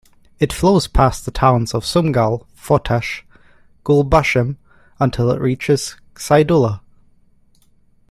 It flows past the towns of Sumgal, Fotash, Gulbashem, until it reaches Xaidulla.